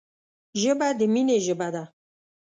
ژبه د مینې ژبه ده